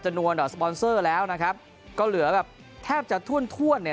จำนวนหรือสปอนเซอร์แล้วนะครับก็เหลือแบบแทบจะถ้วนเนี่ย